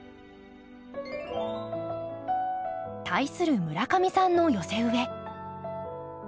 対する村上さんの寄せ植え。